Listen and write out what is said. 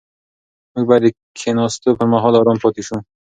موږ باید د کښېناستو پر مهال ارام پاتې شو.